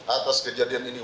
atas kejadian ini